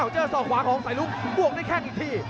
เจอสอกขวาของสายรุ้งบวกได้แค่กี่ที